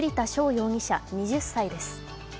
容疑者２０歳です。